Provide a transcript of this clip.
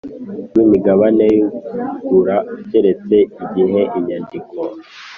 rw imigabane y ugura keretse igihe inyandiko